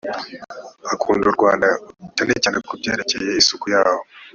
akunda u rwanda cyane cyane ku byerekeye isuku ihaba